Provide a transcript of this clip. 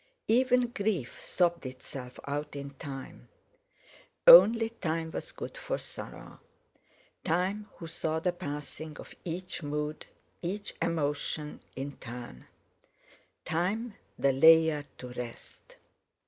Even grief sobbed itself out in time; only Time was good for sorrow—Time who saw the passing of each mood, each emotion in turn; Time the layer to rest.